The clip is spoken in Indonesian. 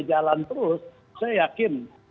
jalan terus saya yakin